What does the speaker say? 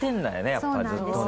やっぱずっとね。